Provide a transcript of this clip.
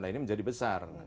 nah ini menjadi besar